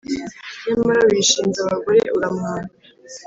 Nyamara wishinze abagore, uramwara